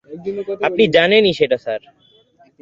আপনি জানেনই সেটা, স্যার।